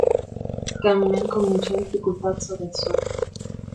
Caminan con mucha dificultad sobre el suelo.